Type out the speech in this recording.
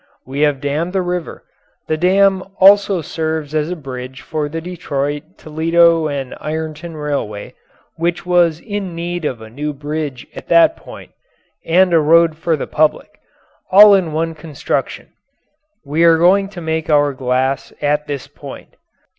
We have dammed the river. The dam also serves as a bridge for the Detroit, Toledo & Ironton Railway, which was in need of a new bridge at that point, and a road for the public all in one construction. We are going to make our glass at this point.